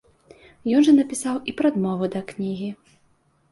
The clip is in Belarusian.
Ён жа напісаў і прадмову да кнігі.